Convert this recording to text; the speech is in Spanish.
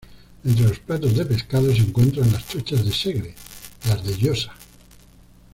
Entre los platos de pescado se encuentran las truchas de Segre, las de llosa.